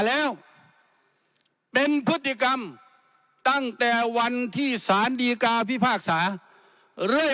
แล้วเป็นพฤติกรรมตั้งแต่วันที่สารดีกาพิพากษาเรื่อย